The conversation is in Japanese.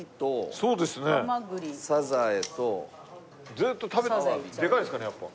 ずっとでかいですかねやっぱ。